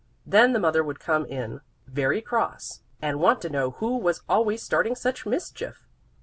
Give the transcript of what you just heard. Then the mother would come in very cross and want to know who was always starting such mischief.